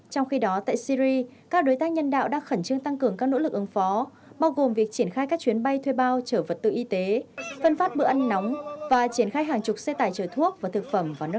trong khi đó tại syri các đối tác nhân đạo đang khẩn trương tăng cường các nỗ lực ứng phó bao gồm việc triển khai các chuyến bay thuê bao trở vật tư y tế phân phát bữa ăn nóng và triển khai hàng chục xe tải chở thuốc và thực phẩm vào nước